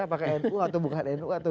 apakah nu atau bukan nu atau